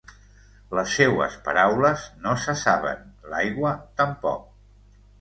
Les seues paraules no cessaven, l'aigua tampoc.